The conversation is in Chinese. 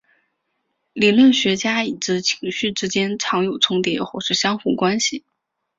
理论学家已知情绪之间常有重叠或是相互关系。